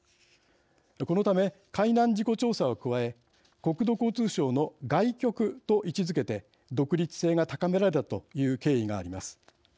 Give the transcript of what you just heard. このため、海難事故調査を加え国土交通省の外局と位置付けて独立性が高められたという経緯があります。